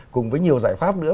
cùng với nhiều giải pháp nữa